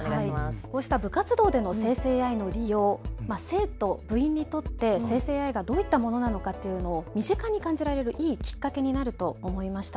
こうした部活動での生成ＡＩの利用、生徒、部員にとって生成ＡＩがどういったものなのかというのを身近に感じられるいいきっかけになると思いました。